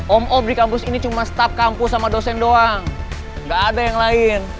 om oh di kampus ini cuma staf kampus sama dosen doang gak ada yang lain